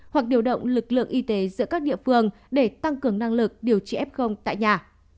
hoặc điều động lực lượng y tế giữa các địa phương để tăng cường năng lực điều trị f tại nhà